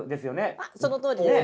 あっそのとおりですね。